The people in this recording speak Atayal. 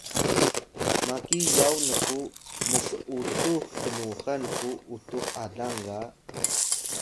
maki yaw nku ms’utux tnuxan ku utux alang ga